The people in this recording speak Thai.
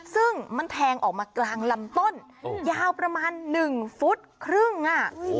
ซึ่งมันแทงออกมากลางลำต้นยาวประมาณ๑ฟุตครึ่งอ่ะ